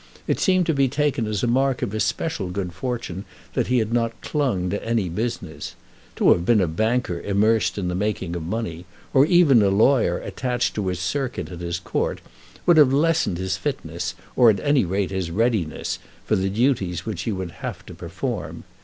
It seemed to be taken as a mark of his special good fortune that he had not clung to any business. To have been a banker immersed in the making of money, or even a lawyer attached to his circuit and his court, would have lessened his fitness, or at any rate his readiness, for the duties which he would have to perform.